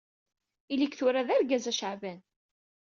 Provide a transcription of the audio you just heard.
Ili-k tura d argaz a Caɛban!